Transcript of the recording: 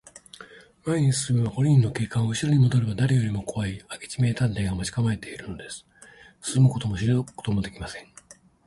前に進めば五人の警官、うしろにもどれば、だれよりもこわい明智名探偵が待ちかまえているのです。進むこともしりぞくこともできません。